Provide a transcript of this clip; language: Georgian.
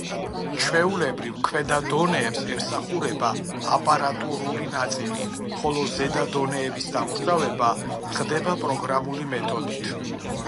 ჩვეულებრივ ქვედა დონეებს ემსახურება აპარატურული ნაწილი, ხოლო ზედა დონეების დამუშავება ხდება პროგრამული მეთოდით.